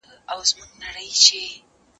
زه له سهاره د سبا لپاره د نوي لغتونو يادوم!